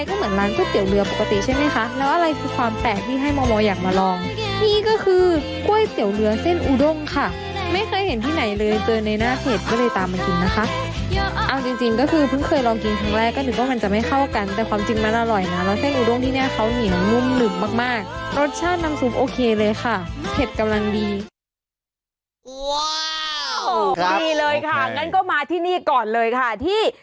โอเคเลยค่ะเป็นกำลังดีว้าวนี่เลยคะงั้นก็มาที่นี่ก่อนเลยค่ะที่